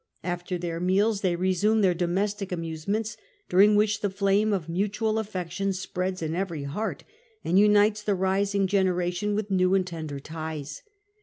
After their meals they resume their domestic amusements, during which the flame of mutual affection spreads in every heart, and unites the rising generation with new and tender ties.